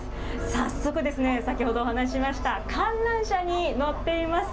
早速ですね、先ほどお話しました、観覧車に乗っています。